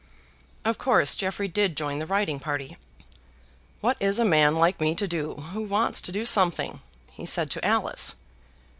Of course Jeffrey did join the riding party. "What is a man like me to do who wants to do something?" he said to Alice.